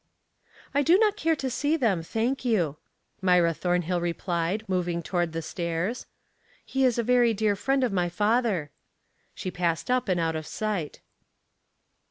"I do not care to see them, thank you," Myra Thornhill replied, moving toward the stairs. "He is a very dear friend of my father." She passed up and out of sight.